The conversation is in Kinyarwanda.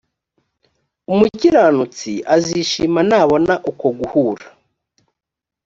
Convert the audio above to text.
umukiranutsi azishima nabona uko guhura